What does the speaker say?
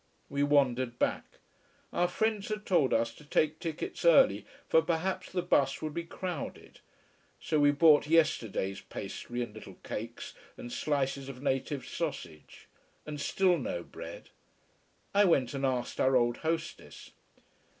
We wandered back. Our friends had told us to take tickets early, for perhaps the bus would be crowded. So we bought yesterday's pastry and little cakes, and slices of native sausage. And still no bread. I went and asked our old hostess.